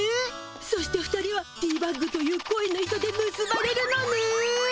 そして２人はティーバッグという恋の糸でむすばれるのね。